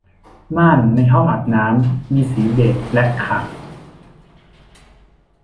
ม่านในห้องอาบน้ำมีสีเบจและขาว